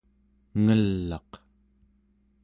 ngel'aq